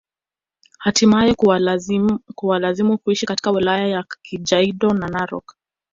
Htimae kuwalazimu kuishi katika wilaya ya Kajaido na Narok